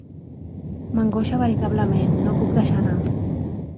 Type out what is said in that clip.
M'angoixa veritablement; no ho puc deixar anar.